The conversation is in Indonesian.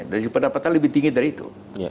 dari pendapatan lebih tinggi dari itu